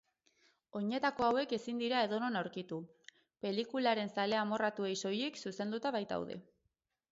Oinetako hauek ezin dira edonon aurkitu, pelikularen zale amorratuei soilik zuzenduta baitaude.